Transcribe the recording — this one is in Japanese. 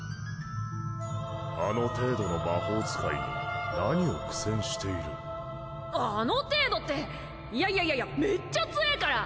あの程度の魔法使いになにを苦戦しているあの程度っていやいやいやいやめっちゃ強ぇから！